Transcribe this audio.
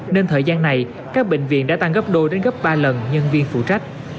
nên thời gian này các bệnh viện đã tăng gấp đôi đến gấp ba lần nhân viên phụ trách